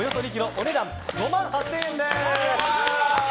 お値段５万８０００円です！